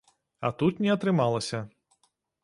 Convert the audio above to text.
А тут не атрымалася.